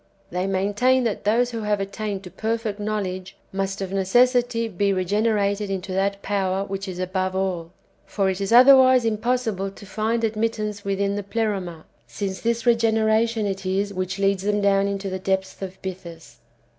They maintain that those who have attained to perfect knowledge must of necessity be regenerated into that power which is above all For it is otherwise impossible to find admittance within the Pleroma, since this [regeneration] it is which leads them down into the depths of Bythus.